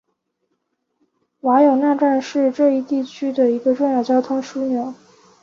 瓦永纳站是这一地区的一个重要交通枢纽。